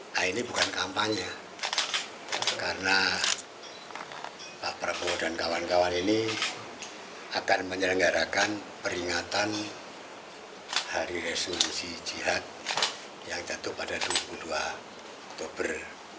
nah ini bukan kampanye karena pak prabowo dan kawan kawan ini akan menyelenggarakan peringatan hari resolusi jihad yang jatuh pada dua puluh dua oktober